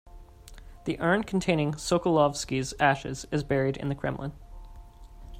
The urn containing Sokolovsky's ashes is buried in the Kremlin.